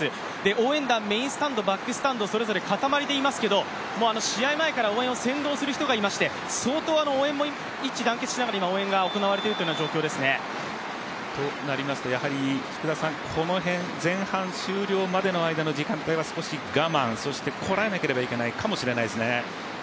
応援団、メインスタンド、バックスタンド、それぞれかたまりでいますけど、試合前から応援を扇動する人がいまして、相当応援も一致団結しながら行われている状況ですね。となりますと、この辺、前半終了までの間の時間帯は少し我慢、そしてこらえなければいけないかもしれないですね。